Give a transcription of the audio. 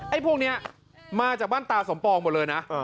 พวกนี้มาจากบ้านตาสมปองหมดเลยนะ